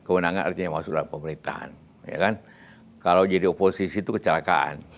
kewenangan artinya masuk dalam pemerintahan kalau jadi oposisi itu kecelakaan